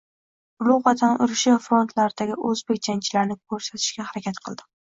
Ulug` Vatan urushi frontlaridagi o`zbek jangchilarini ko`rsatishga harakat qildim